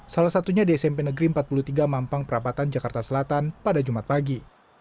salah satunya di smp negeri empat puluh tiga mampang perapatan jakarta selatan pada jumat pagi